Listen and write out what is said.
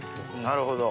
なるほど。